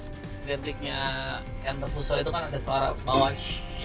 repliknya kentut buso itu kan ada suara bawah